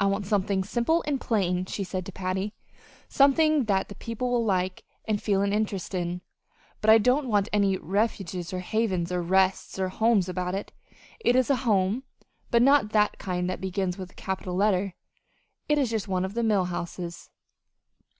"I want something simple and plain," she had said to Patty; "something that the people will like, and feel an interest in. But I don't want any 'Refuges' or 'Havens' or 'Rests' or 'Homes' about it. It is a home, but not the kind that begins with a capital letter. It is just one of the mill houses."